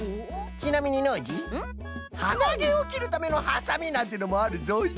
ちなみにノージーはなげをきるためのハサミなんてのもあるぞい！